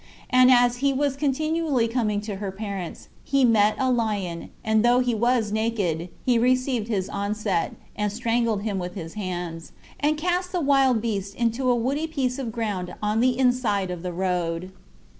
And as he was continually coming to her parents, he met a lion, and though he was naked, he received his onset, and strangled him with his hands, and cast the wild beast into a woody piece of ground on the inside of the road.